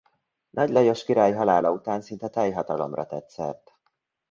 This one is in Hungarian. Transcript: Nagy Lajos király halála után szinte teljhatalomra tett szert.